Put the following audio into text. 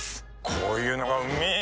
こういうのがうめぇ